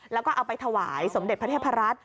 แล้วก็เอาไปถวายสมเด็จพระเทพรัฐ